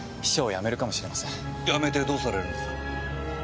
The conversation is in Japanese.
辞めてどうされるんですか？